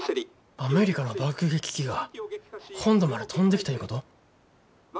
アメリカの爆撃機が本土まで飛んできたいうこと？